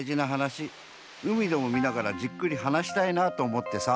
海でもみながらじっくりはなしたいなとおもってさ。